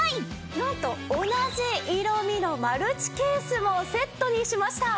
なんと同じ色味のマルチケースもセットにしました！